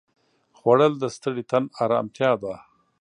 خوړل د ستړي تن ارامتیا ده